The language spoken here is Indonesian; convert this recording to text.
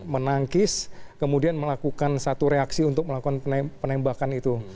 menangkis kemudian melakukan satu reaksi untuk melakukan penembakan itu